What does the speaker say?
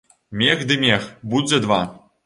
Мех ды мех, будзе два.